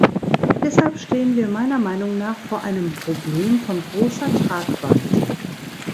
Deshalb stehen wir meiner Meinung nach vor einem Problem von großer Tragweite.